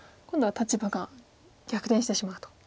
今度は立場が逆転してしまうと。